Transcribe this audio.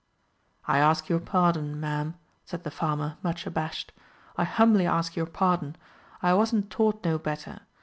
"I ask your pardon, ma'am," said the farmer, much abashed, "I humbly ask your pardon; I wasn't taught no better.